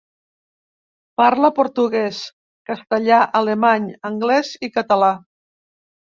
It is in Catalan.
Parla portuguès, castellà, alemany, anglès i català.